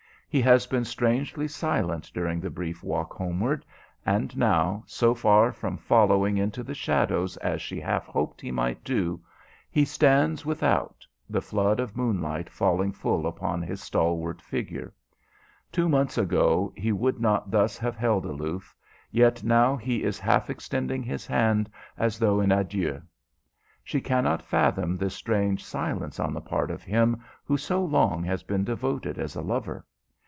He has been strangely silent during the brief walk homeward, and now, so far from following into the shadows as she half hoped he might do, he stands without, the flood of moonlight falling full upon his stalwart figure. Two months ago he would not thus have held aloof, yet now he is half extending his hand as though in adieu. She cannot fathom this strange silence on the part of him who so long has been devoted as a lover.